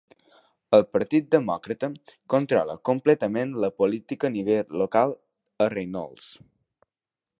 El Partit Demòcrata controla completament la política a nivell local a Reynolds.